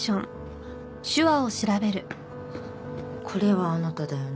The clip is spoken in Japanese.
これは「あなた」だよな。